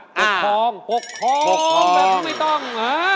ปกครองปกครองแบบไม่ต้อง